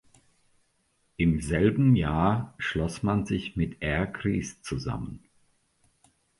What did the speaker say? Im selben Jahr schloss man sich mit Air Greece zusammen.